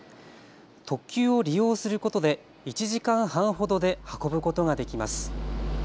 特急を利用することで１時間半ほどで運ぶことができます。